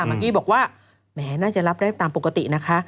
เมื่อกี้บอกว่าแหมน่าจะรับได้ตามปกตินะคะ